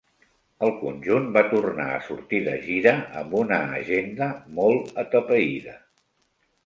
El conjunt va tornar a sortir de gira amb una agenda molt atapeïda.